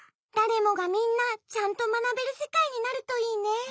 だれもがみんなちゃんとまなべるせかいになるといいね。